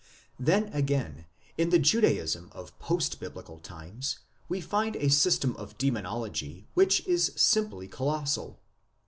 Then again, in the Judaism of post biblical times we find a system of demonology which is simply colossal.